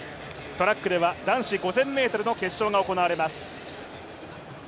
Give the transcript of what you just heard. トラックでは男子５０００ｍの決勝が行われます。